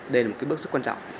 đây là một bước rất quan trọng